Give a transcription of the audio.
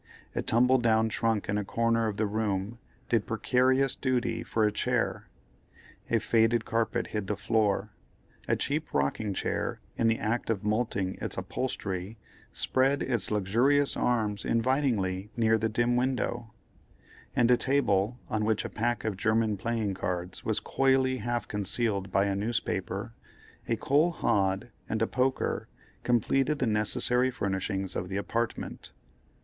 A tumble down trunk in a corner of the room did precarious duty for a chair; a faded carpet hid the floor; a cheap rocking chair in the act of moulting its upholstery spread its luxurious arms invitingly near the dim window; and a table, on which a pack of German playing cards was coyly half concealed by a newspaper, a coal hod, and a poker, completed the necessary furnishing of the apartment.